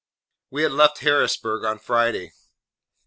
We had left Harrisburg on Friday.